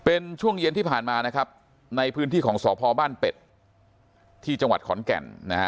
เป็นช่วงเย็นที่ผ่านมานะครับในพื้นที่ของสพบ้านเป็ดที่จังหวัดขอนแก่นนะฮะ